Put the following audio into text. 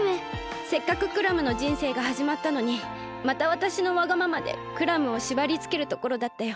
せっかくクラムのじんせいがはじまったのにまたわたしのわがままでクラムをしばりつけるところだったよ。